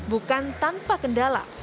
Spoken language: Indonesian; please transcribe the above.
bukan tanpa kendala